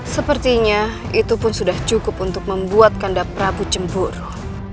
sepertinya itu pun sudah cukup untuk membuat kanda prabu cemburu